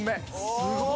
すごい。